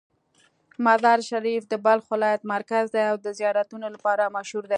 مزار شریف د بلخ ولایت مرکز دی او د زیارتونو لپاره مشهوره ده.